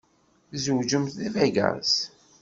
Zewǧent deg Vegas.